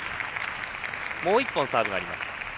もう１本、サーブがあります。